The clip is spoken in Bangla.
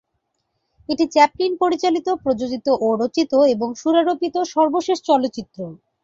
এটি চ্যাপলিন পরিচালিত, প্রযোজিত ও রচিত এবং সুরারোপিত সর্বশেষ চলচ্চিত্র।